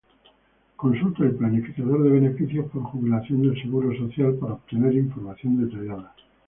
Consulte el planificador de beneficios por jubilación del Seguro Social para obtener información detallada.